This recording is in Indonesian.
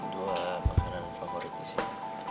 dua makanan favorit disini